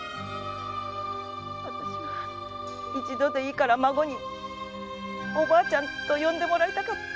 わたしは一度でいいから孫に「おばあちゃん」と呼んでもらいたかった！